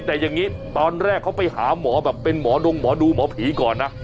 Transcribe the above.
แต่อย่างนี้ตอนแรกเขาไปหาหมอแบบเป็นหมอดงหมอดูหมอผีก่อนนะ